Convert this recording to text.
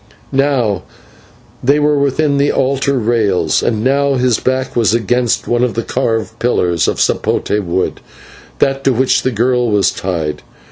Now they were within the altar rails, and now his back was against one of the carved pillars of /sapote/ wood that to which the girl was tied.